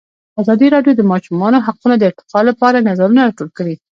ازادي راډیو د د ماشومانو حقونه د ارتقا لپاره نظرونه راټول کړي.